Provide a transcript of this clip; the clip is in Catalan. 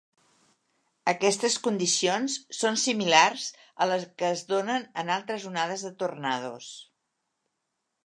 Aquestes condicions són similars a les que es donen en altres onades de tornados.